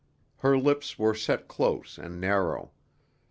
Her lips were set close and narrow.